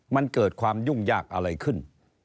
มันเกิดความยุ่งยากอะไรขึ้น